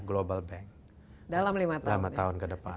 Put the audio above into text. global bank dalam lima tahun dalam lima tahun ke depan